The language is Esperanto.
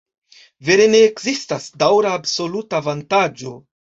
Vere ne ekzistas daŭra absoluta avantaĝo.